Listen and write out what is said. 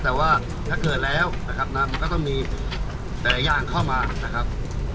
แต่ว่าถ้าเกิดแล้วนะครับนะมันก็ต้องมีหลายอย่างเข้ามานะครับ